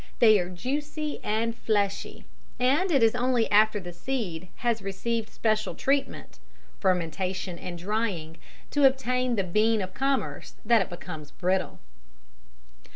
They are juicy and fleshy. And it is only after the seed has received special treatment (fermentation and drying) to obtain the bean of commerce, that it becomes brittle.